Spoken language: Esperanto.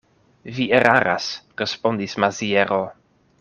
Vi eraras, respondis Maziero.